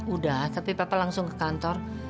udah tapi papa langsung ke kantor